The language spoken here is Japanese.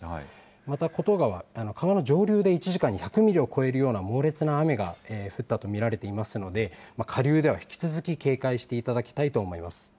また厚東川、川の上流で１時間に１００ミリを超える猛烈な雨が降ったと見られていますので、下流では引き続き警戒していただきたいと思います。